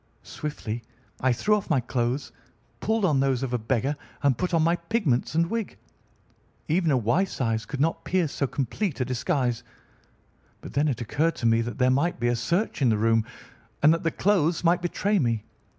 Swiftly I threw off my clothes, pulled on those of a beggar, and put on my pigments and wig. Even a wife's eyes could not pierce so complete a disguise. But then it occurred to me that there might be a search in the room, and that the clothes might betray me.